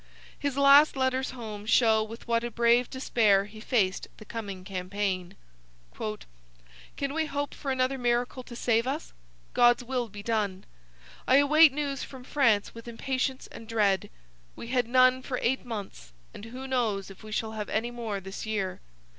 His last letters home show with what a brave despair he faced the coming campaign. 'Can we hope for another miracle to save us? God's will be done! I await news from France with impatience and dread. We had none for eight months, and who knows if we shall have any more this year.